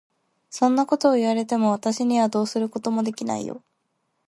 そんなことを言われても、私にはどうすることもできないよ。